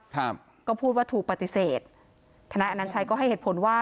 ครับก็พูดว่าถูกปฏิเสธทนายอนัญชัยก็ให้เหตุผลว่า